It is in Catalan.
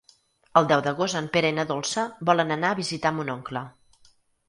El deu d'agost en Pere i na Dolça volen anar a visitar mon oncle.